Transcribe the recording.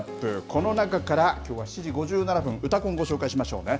この中から、きょうは７時５７分、うたコン、ご紹介しましょうね。